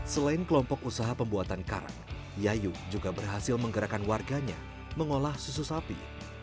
selain kelompok usaha pembuatan karang yayu juga berhasil menggerakkan warganya mengolah susu sapi